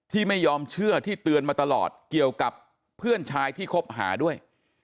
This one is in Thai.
ที่ไม่ยอมเชื่อที่เตือนมาตลอดเกี่ยวกับเพื่อนชายที่คบหาด้วย